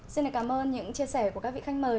xin cảm ơn những chia sẻ của các vị khách mời